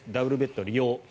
ダブルベッド利用。